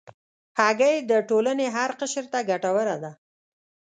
هګۍ د ټولنې هر قشر ته ګټوره ده.